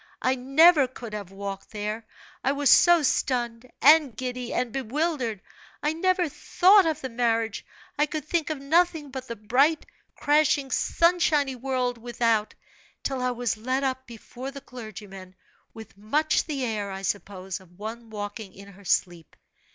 I never could have walked there, I was so stunned, and giddy, and bewildered. I never thought of the marriage I could think of nothing but the bright, crashing, sun shiny world without, till I was led up before the clergyman, with much the air, I suppose, of one walking in her sleep.